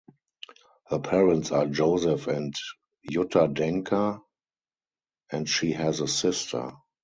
Her parents are Joseph and Jutta Denker, and she has a sister.